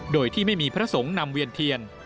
โดยที่ไม่มีพระสงฆ์นำเวียนเทียน